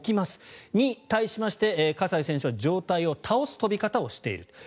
それに対しまして葛西選手は上体を倒す飛び方をしている。